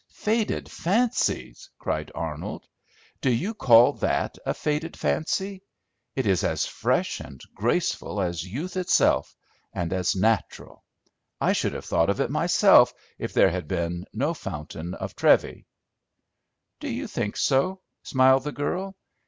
"Faded fancies!" cried Arnold. "Do you call that a faded fancy? It is as fresh and graceful as youth itself, and as natural. I should have thought of it myself, if there had been no fountain of Trevi." "Do you think so?" smiled the girl.